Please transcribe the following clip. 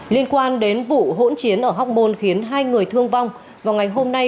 liên quan đến vụ hỗn chiến ở hóc môn khiến hai người thương vong vào ngày hôm nay